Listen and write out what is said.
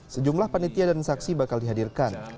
sejumlah panitia dan saksi bakal dihadirkan